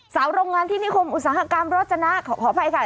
โรงงานที่นิคมอุตสาหกรรมรถจนะขออภัยค่ะ